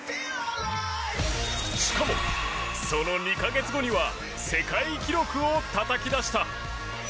しかも、その２か月後には世界新記録までたたき出した。